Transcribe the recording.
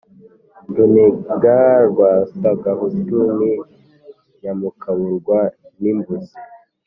Runiga rwa Sagahutu ni Nyamukaburwa-n’imbûzi